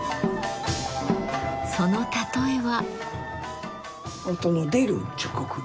その例えは。